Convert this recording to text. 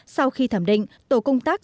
sau khi thẩm định tổ công tác